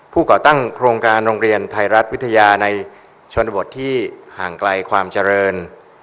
ก่อตั้งโครงการโรงเรียนไทยรัฐวิทยาในชนบทที่ห่างไกลความเจริญ